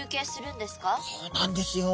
そうなんですよ。